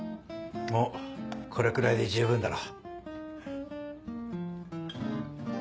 もうこれくらいで十分だろ。